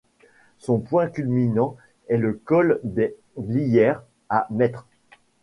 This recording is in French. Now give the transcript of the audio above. Son point culminant est le col des Glières à mètres.